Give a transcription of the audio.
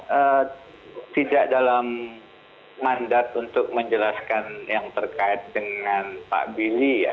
saya tidak dalam mandat untuk menjelaskan yang terkait dengan pak billy ya